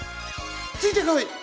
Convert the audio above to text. ついてこい！